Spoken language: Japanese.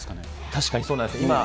確かにそうなんです。